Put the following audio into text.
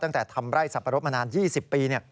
ตั้งแต่ทำไร่สับปะรดมานาน๒๐ปี